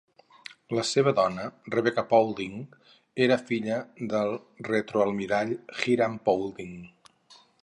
La seva dona, Rebecca Paulding, era filla del retroalmirall Hiram Paulding.